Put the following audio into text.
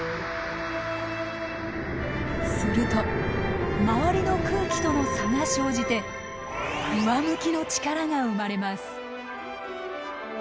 すると周りの空気との差が生じて上向きの力が生まれます。